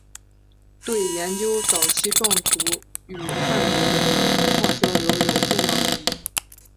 对研究早期壮族与汉族的文化交流有重要意义。